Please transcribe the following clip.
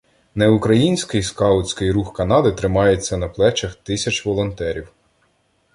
«неукраїнський» скаутський рух Канади тримається на плечах тисяч волонтерів